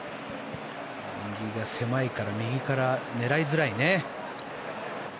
右が狭いから右から狙いづらいね。